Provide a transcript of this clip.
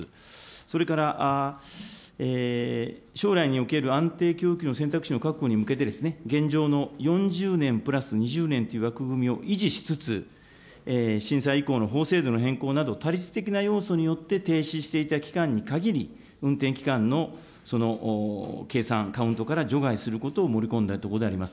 それから将来における安定供給の選択肢の確保に向けて、現状の４０年プラス２０年という枠組みを維持しつつ、震災以降の法制度の変更など、他律的な要素によって停止していた期間に限り、運転期間の計算、カウントから除外することを盛り込んだところであります。